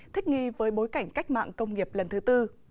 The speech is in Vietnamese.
thích nghi với bối cảnh cách mạng công nghiệp lần thứ tư